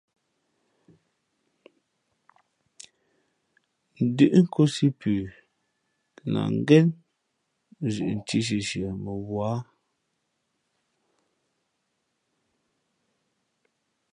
Ndʉ́ʼ nkōsī pʉ lah ngén zʉʼ nthī sʉsʉα mα wǎ.